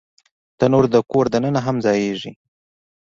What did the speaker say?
تنور د کور دننه هم ځایېږي